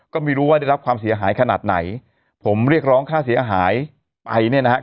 ก็ไม่รู้ว่าได้รับความเสียหายขนาดไหนผมเรียกร้องค่าเสียหายไปเนี่ยนะฮะ